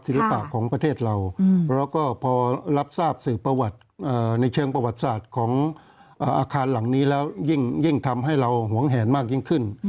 ของประเทศเราแล้วก็พอรับทราบสื่อประวัติในเชิงประวัติศาสตร์ของอาคารหลังนี้แล้วยิ่งทำให้เราหวงแหนมากยิ่งขึ้น